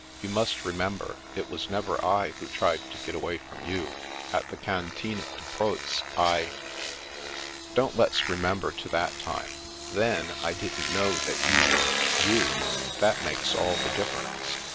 You must remember it was never I who tried to get away from you. At the Cantine de Proz, I "" Don't let's remember to that time. Then, I didn't know that you were — ^You. That makes all the difference.